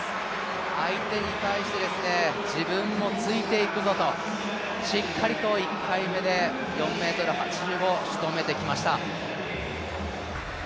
相手に対して自分もついていくぞとしっかりと１回目で４ｍ８５、しとめてきました。